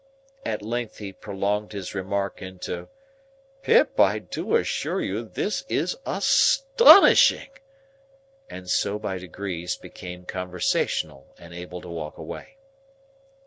At length he prolonged his remark into "Pip, I do assure you this is as TON ishing!" and so, by degrees, became conversational and able to walk away.